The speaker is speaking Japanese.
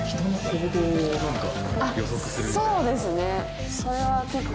あっそうですね。